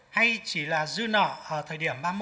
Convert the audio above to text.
hay chỉ là dư nợ ở thời điểm ba mươi một